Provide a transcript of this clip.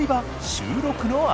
収録の朝。